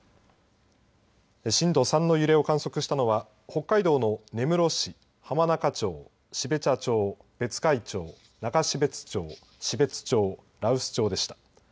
震度３の揺れを観測したのは北海道の根室市、浜中町標茶町、別海町、中標津町標津町、羅臼町でした。